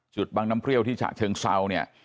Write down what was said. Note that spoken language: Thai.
บังน้ำเปรี้ยวที่ฉะเชิงเซาเนี่ย